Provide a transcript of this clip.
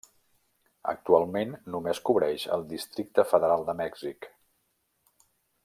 Actualment, només cobreix el Districte Federal de Mèxic.